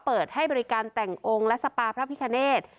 เปิดให้บริการแต่งองค์และสปาพระพิคเนต